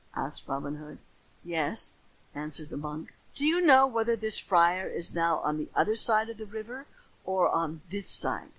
asked Robin Hood. "Yes," answered the monk. "Do you know whether this friar is now on the other side of the river or on this side?"